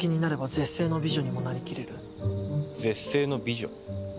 絶世の美女。